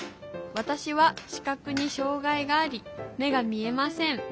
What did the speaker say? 私は視覚に障害があり目が見えません